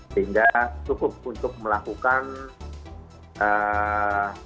sehingga cukup untuk melakukan tindakan hukum bagi